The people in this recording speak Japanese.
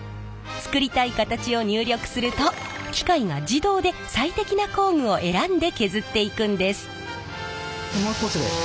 作りたい形を入力すると機械が自動で最適な工具を選んで削っていくんです。